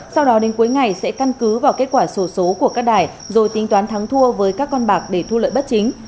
sau đó đến cuối ngày sẽ căn cứ vào kết quả sổ số của các đài rồi tính toán thắng thua với các con bạc để thu lợi bất chính